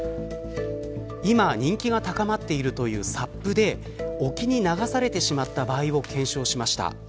今、人気が高まっているというＳＵＰで沖に流されてしまった場合を検証しました。